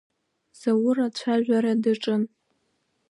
Заур ацәажәара даҿын…